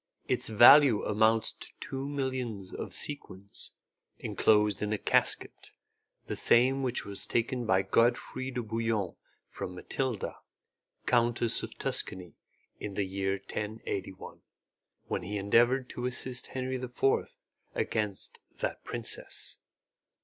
Its value amounts to two millions of sequins, enclosed in a casket, the same which was taken by Godfrey de Bouillon from Mathilda, Countess of Tuscany, in the year 1081, when he endeavoured to assist Henry IV, against that princess.